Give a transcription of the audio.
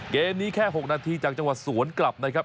เกมนี้แค่๖นาทีจากจังหวะสวนกลับนะครับ